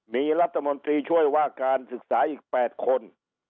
มีรัฐมนตรีช่วยว่าการศึกษาอีก๘คน